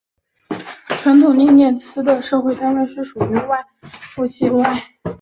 传统涅涅茨人的社会单位是属于父系外婚氏族。